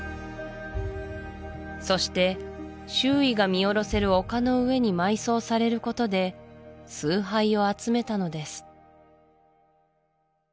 そして周囲が見下ろせる丘の上に埋葬されることで崇拝を集めたのです